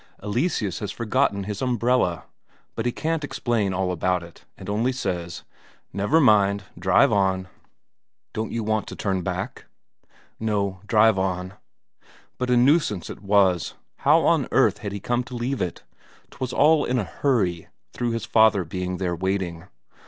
Eleseus has forgotten his umbrella; but he can't explain all about it, and only says: "Never mind, drive on." "Don't you want to turn back?" "No; drive on." But a nuisance it was; how on earth had he come to leave it? 'Twas all in a hurry, through his father being there waiting.